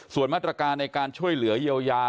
ส่วนมาตรการในการช่วยเหลือเยียวยา